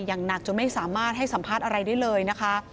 อย่างหนักจนไม่สามารถให้สัมภาษณ์อะไรได้เลยนะคะ